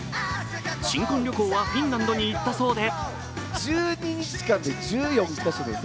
新婚旅行はフィンランドに行ったそうで。